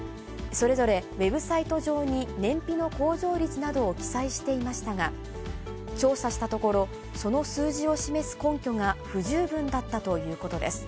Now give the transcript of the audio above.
それぞれウェブサイト上に燃費の向上率などを記載していましたが、調査したところ、その数字を示す根拠が不十分だったということです。